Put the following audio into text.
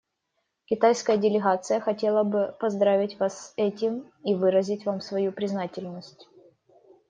Китайская делегация хотела бы поздравить Вас с этим и выразить Вам свою признательность.